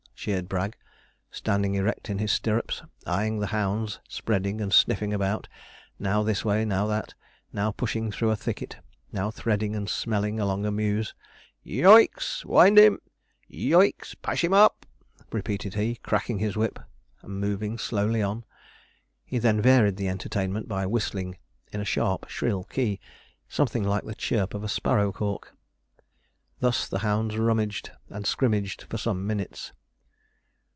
cheered Bragg, standing erect in his stirrups, eyeing the hounds spreading and sniffing about, now this way, now that now pushing through a thicket, now threading and smelling along a meuse. 'Yo o icks wind him! Yo o icks pash him up!' repeated he, cracking his whip, and moving slowly on. He then varied the entertainment by whistling, in a sharp, shrill key, something like the chirp of a sparrow hawk. Thus the hounds rummaged and scrimmaged for some minutes.